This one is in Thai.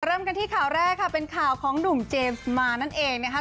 เริ่มกันที่ข่าวแรกค่ะเป็นข่าวของหนุ่มเจมส์มานั่นเองนะคะ